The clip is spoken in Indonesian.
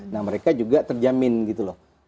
nah mereka juga terjamin gitu loh